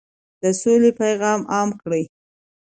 د سولې پیغام عام کړئ.